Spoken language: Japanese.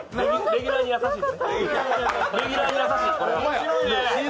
レギュラーに優しい。